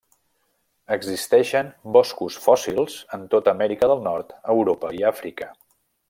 Existeixen boscos fòssils en tota Amèrica del Nord, Europa i Àfrica.